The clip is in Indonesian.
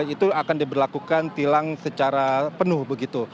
itu akan diberlakukan tilang secara penuh begitu